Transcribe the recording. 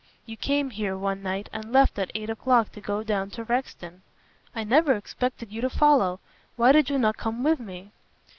You came here one night and left at eight o'clock to go down to Rexton." "I never expected you to follow. Why did you not come with me?"